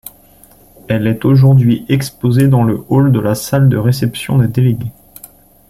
Elle est aujourd'hui exposée dans le hall de la salle de réception des délégués.